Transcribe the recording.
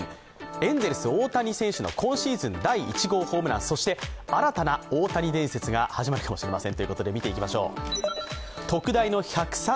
エンゼルス・大谷選手の今シーズン第１号ホームラン、そして新たな大谷伝説が始まるかもしれません。